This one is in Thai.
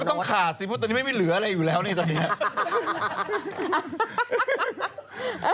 ต้องขาดสิเพราะตอนนี้ไม่เหลืออะไรอยู่แล้วนี่ตอนนี้